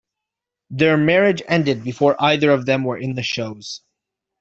Their marriage ended before either of them were in the shows.